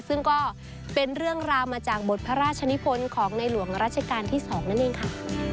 ซึ่งก็เป็นเรื่องราวมาจากบทพระราชนิพลของในหลวงรัชกาลที่๒นั่นเองค่ะ